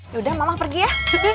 yaudah mama pergi ya